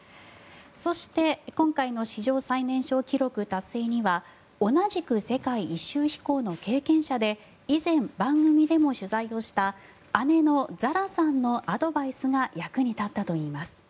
そして今回の史上最年少記録達成には同じく世界一周飛行の経験者で以前、番組でも取材をした姉のザラさんのアドバイスが役に立ったといいます。